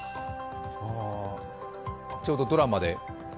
ちょうどドラマで。